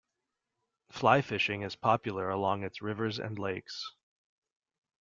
Fly fishing is popular along its rivers and lakes.